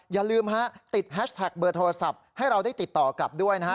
อย่าลืมฮะติดแฮชแท็กเบอร์โทรศัพท์ให้เราได้ติดต่อกลับด้วยนะฮะ